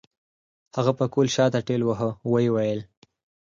هغه پکول شاته ټېلوهه وويل.